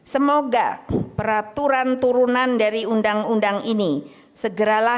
semoga peraturan turunan dari undang undang ini segeralah